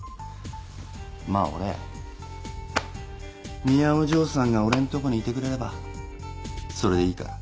まあ俺美羽お嬢さんが俺んとこにいてくれればそれでいいから。